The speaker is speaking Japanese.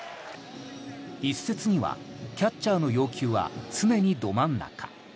一説には、キャッチャーの要求は常にど真ん中。